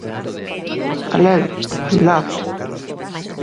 Alegre, bailable.